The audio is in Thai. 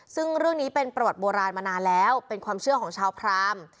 ซึ่งเรื่องนี้เป็นประวัติโบราณมานานแล้วเป็นความเชื่อของชาวพราม